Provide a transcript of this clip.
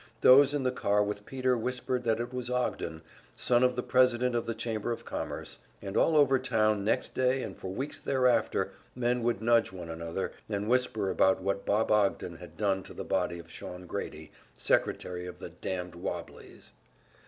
Those in the car with Peter whispered that it was Ogden, son of the president of the Chamber of Commerce; and all over town next day and for weeks thereafter men would nudge one another, and whisper about what Bob Ogden had done to the body of Shawn Grady, secretary of the "damned wobblies."